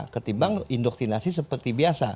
ketimbang indoktinasi seperti biasa